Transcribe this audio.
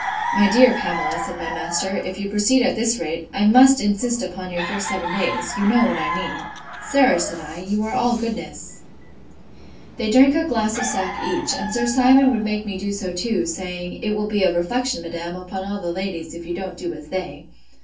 —My dear Pamela, said my master, if you proceed at this rate, I must insist upon your first seven days. You know what I mean. Sir, said I, you are all goodness! They drank a glass of sack each, and Sir Simon would make me do so too, saying, It will be a reflection, madam, upon all the ladies, if you don't do as they.